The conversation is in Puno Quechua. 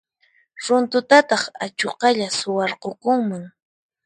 Runtutataq achuqalla suwarqukunman.